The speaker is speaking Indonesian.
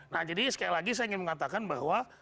nah jadi sekali lagi saya ingin mengatakan bahwa